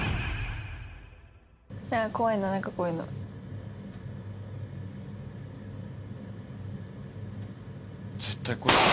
怖いな、なんかこういうの。